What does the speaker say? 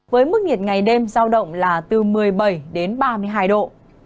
với mức nhiệt ngày đêm giao động là từ một mươi bảy đến ba mươi hai độ